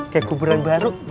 kayak kuburan baru